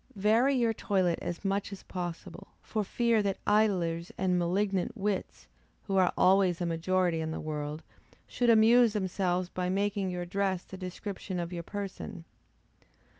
Vary your toilet as much as possible, for fear that idlers and malignant wits, who are always a majority in the world, should amuse themselves by making your dress the description of your person.